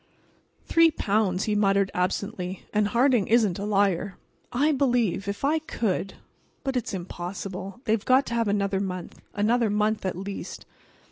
"Three pounds!" he muttered, absently. "And Harding isn't a liar. I believe, if I could—but it's impossible—they've got to have another month—another month at least."